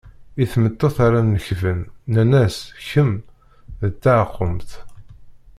I tmeṭṭut rran lekben, nnan-as kemm d taɛkumt.